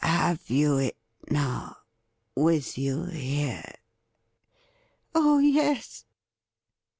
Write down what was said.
' Have you it now — with you here .?'' Oh yes.'